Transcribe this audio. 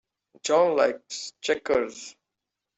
John likes checkers.